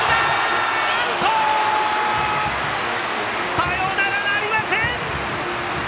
サヨナラなりません！